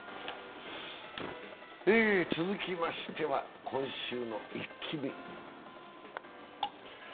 続きましては今週の「イッキ見」。